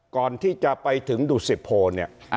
ก่อนที่จะไปถึงดุสิโพเนี่ย